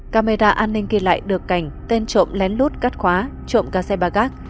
camera an ninh ghi lại được cảnh tên trộm lén lút cắt khóa trộm ca xe ba gác